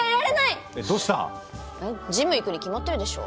どうした⁉えっジム行くに決まってるでしょ。